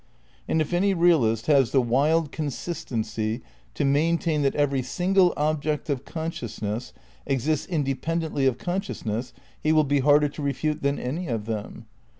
And if any realist has the wild consistency to maintain that every single ob ject of consciousness exists independently of conscious ness he will be harder to refute than any of them.